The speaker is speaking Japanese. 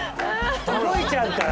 動いちゃうから。